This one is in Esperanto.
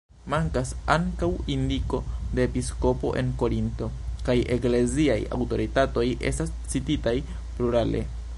Mankas ankaŭ indiko de episkopo en Korinto, kaj ekleziaj aŭtoritatoj estas cititaj plurale.